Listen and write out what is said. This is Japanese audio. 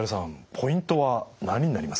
ポイントは何になりますか？